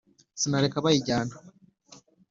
Sinareka bayijyana.